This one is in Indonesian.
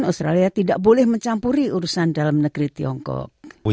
australia tidak boleh mencampuri urusan dalam negeri tiongkok